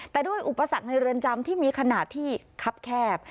แต่ด้วยอุปสรรคในเรือนจำที่มีขนาดที่คับแคบ